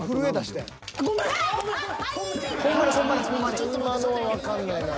［ちょっと今のはわかんないな］